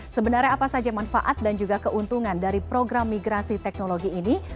sebenarnya apa saja manfaat dan juga keuntungan dari program migrasi teknologi ini